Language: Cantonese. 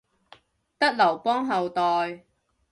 得劉邦後代